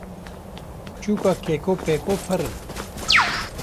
Çûka Keko Peko pir in.